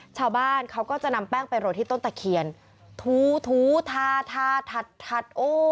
ชาวบ้านเขาก็จะนำแป้งไปโรยที่ต้นตะเคียนถูถูทาทาถัดถัดโอ้